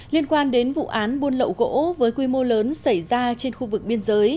liên quan đến vụ án buôn lậu gỗ với quy mô lớn xảy ra trên khu vực biên giới